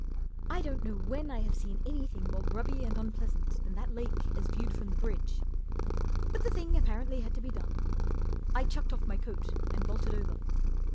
I clont know when I have seen anything more grubby and unpleasant than the lake as viewed from the bridge ; but the thing apparently had to be done. I chucked off my coat and vaulted over.